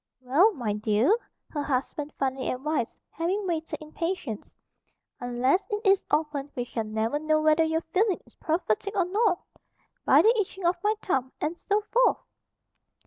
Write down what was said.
"Well, my dear," her husband finally advised, having waited in patience, "unless it is opened we shall never know whether your feeling is prophetic or not. 'By the itching of my thumb,' and so forth!"